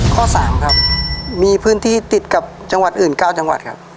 ข้อ๓ครับมีพื้นที่ติดกับจังหวัดอื่น๙จังหวัดครับ